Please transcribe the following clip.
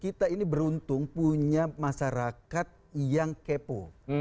kita ini beruntung punya masyarakat yang kepo